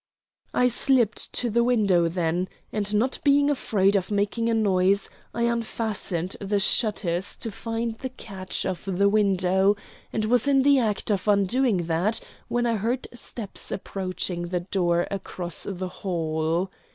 I slipped to the window then, and, not being afraid of making a noise, I unfastened the shutters to find the catch of the window, and was in the act of undoing that when I heard steps approaching the door across the hall.